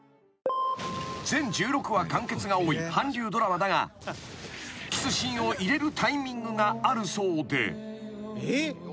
［全１６話完結が多い韓流ドラマだがキスシーンを入れるタイミングがあるそうで］